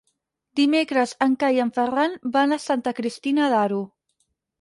Dimecres en Cai i en Ferran van a Santa Cristina d'Aro.